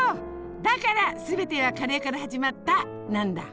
だから「すべてはカレーから始まった」なんだ！